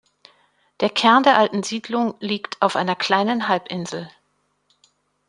Der Kern der alten Siedlung liegt auf einer kleinen Halbinsel.